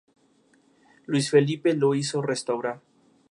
Es allí cuando aprende torpemente a ser un guerrillero.